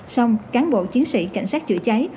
xong cán bộ chiến sĩ cảnh sát chữa cháy